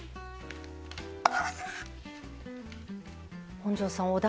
本上さん